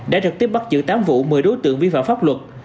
đã trực tiếp bắt giữ tám vụ một mươi đối tượng vi phạm pháp luật